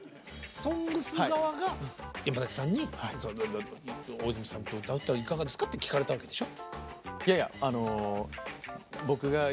「ＳＯＮＧＳ」側が山崎さんに大泉さんと歌うっていかがですか？って聞かれたわけでしょ？